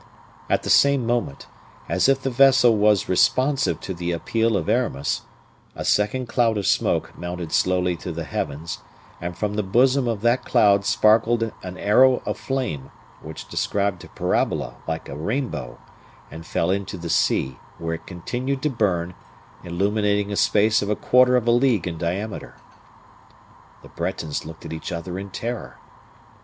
At the same moment, as if the vessel was responsive to the appeal of Aramis, a second cloud of smoke mounted slowly to the heavens, and from the bosom of that cloud sparkled an arrow of flame, which described a parabola like a rainbow, and fell into the sea, where it continued to burn, illuminating a space of a quarter of a league in diameter. The Bretons looked at each other in terror.